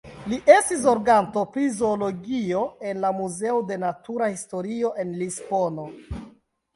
Li estis zorganto pri zoologio en la Muzeo de Natura Historio en Lisbono.